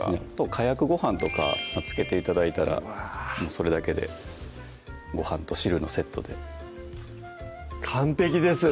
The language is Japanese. かやくご飯とか付けて頂いたらうわぁそれだけでご飯と汁のセットで完璧ですよね